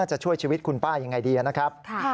จะช่วยชีวิตคุณป้ายังไงดีนะครับ